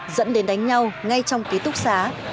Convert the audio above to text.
dẫn đến đánh nhau ngay trong ký túc xá